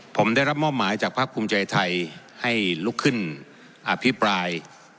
ผมได้รับมอบหมายจากภาคภูมิใจไทยให้ลุกขึ้นอภิปราย